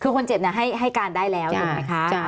คือคนเจ็บน่ะให้ให้การได้แล้วใช่ไหมคะอ่า